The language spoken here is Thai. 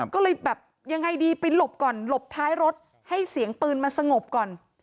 ก็เลยแบบยังไงดีไปหลบก่อนหลบท้ายรถให้เสียงปืนมันสงบก่อน